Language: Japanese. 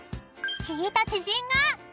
聞いた知人が］